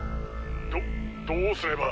どどうすれば！？